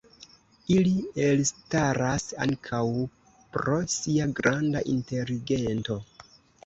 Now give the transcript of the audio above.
Ili elstaras ankaŭ pro sia granda inteligento.